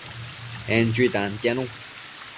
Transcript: En chui tantianu